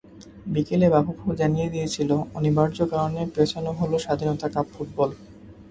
বিকেলে বাফুফে জানিয়ে দিয়েছিল, অনিবার্য কারণে পেছানো হলো স্বাধীনতা কাপ ফুটবল।